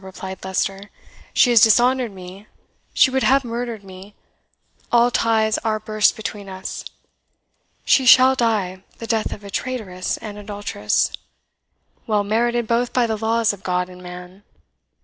replied Leicester; "she has dishonoured me she would have murdered me all ties are burst between us. She shall die the death of a traitress and adulteress, well merited both by the laws of God and man!